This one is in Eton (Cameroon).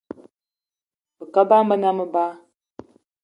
Be kaal bama be ne meba